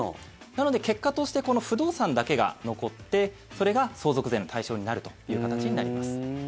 なので結果としてこの不動産だけが残ってそれが相続税の対象になるという形になります。